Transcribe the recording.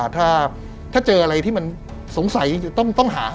ถ้าเจออะไรที่มันสงสัยจะต้องหา